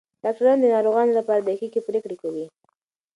ډاکټران د ناروغانو لپاره دقیقې پریکړې کوي.